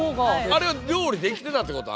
あれは料理できてたってこと？